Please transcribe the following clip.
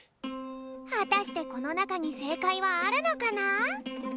はたしてこのなかにせいかいはあるのかな？